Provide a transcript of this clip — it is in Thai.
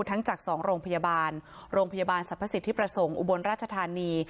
ทั้งจาก๒โรงพยาบาลโรงพยาบาลสรรพสิทธิประสงค์อุบลราชธานี